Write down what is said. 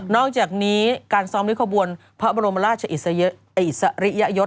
อกจากนี้การซ้อมริ้วขบวนพระบรมราชอิสริยยศ